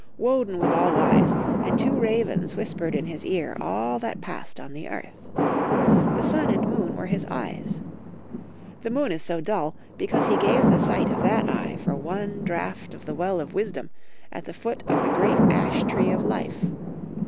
Woden was aU wise, and two ravens whispered in his ear all t^at passed on 16 Toung Folka^ History of Germany. the earth. The sun and moon were his eyes. The moon is so dull because he gave the sight of that eye for one draught of the well of wisdom at the foot of the great ash tree of life.